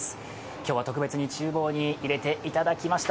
今日は特別にちゅう房に入れていただきました。